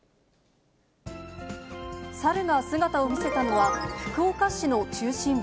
猿が姿を見せたのは、福岡市の中心部。